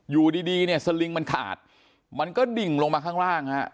อยู่ดีเนี่ยสลิงมันขาดมันก็ดิ่งลงมาข้างล่างฮะ